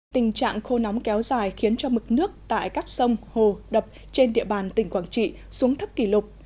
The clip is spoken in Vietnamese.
tình trạng khô nóng kéo dài khiến cho mực nước tại các sông hồ đập trên địa bàn tỉnh quảng trị xuống thấp kỷ lục